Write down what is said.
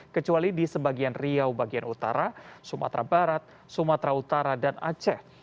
kecuali di sebagian riau bagian utara sumatera barat sumatera utara dan aceh